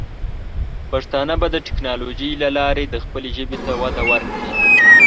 پښتانه به د ټیکنالوجۍ له لارې د خپلې ژبې ته وده ورکړي.